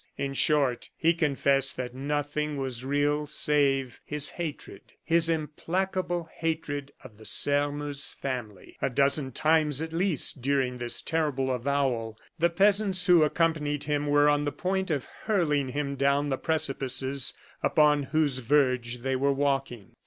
In short, he confessed that nothing was real save his hatred, his implacable hatred of the Sairmeuse family. A dozen times, at least, during this terrible avowal, the peasants who accompanied him were on the point of hurling him down the precipices upon whose verge they were walking.